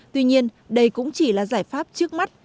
tuy nhiên đây cũng chỉ là giải pháp trước mắt